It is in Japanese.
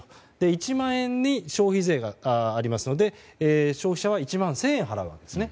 １万円に消費税があるので消費者は１万１０００円払うんですね。